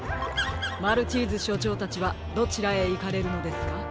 マルチーズしょちょうたちはどちらへいかれるのですか？